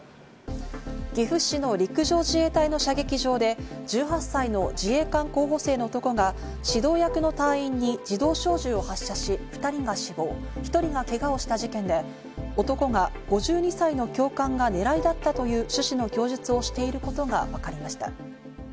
岐阜市の陸上自衛隊の射撃場で１８歳の自衛官候補生の男が、指導役の隊員に自動小銃を発射し、２人が死亡、１人がけがをした事件で、男が、５２歳の教官が狙いだったという趣旨の供述をしていることがわかりました。